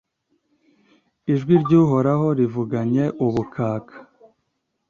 Ijwi ry’Uhoraho rivuganye ubukaka